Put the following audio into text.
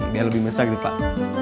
biar lebih mesra gitu pak